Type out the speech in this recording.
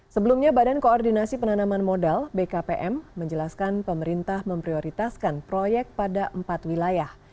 sebelumnya badan koordinasi penanaman modal bkpm menjelaskan pemerintah memprioritaskan proyek pada empat wilayah